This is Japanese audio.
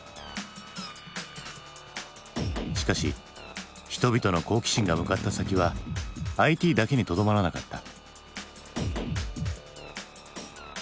しかし人々の好奇心が向かった先はＩＴだけにとどまらなかった。